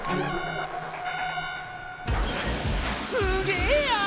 すげえや！